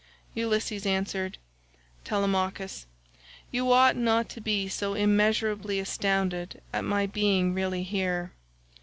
Ulysses answered, "Telemachus, you ought not to be so immeasurably astonished at my being really here.